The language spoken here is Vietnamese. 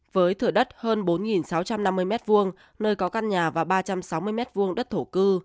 với thửa đất hơn bốn sáu trăm năm mươi m hai nơi có căn nhà và ba trăm sáu mươi m hai đất thổ cư